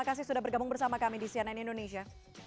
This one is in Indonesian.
terima kasih sudah bergabung bersama kami di cnn indonesia